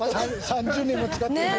３０年も使ってるよ。